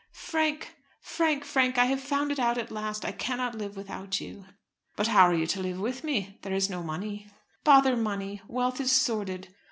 Frank, Frank, Frank! I have found it out at last. I cannot live without you." "But how are you to live with me? There is no money." "Bother money. Wealth is sordid.